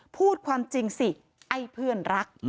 พูดความจริงสิไอ้เพื่อนรัก